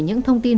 những thông tin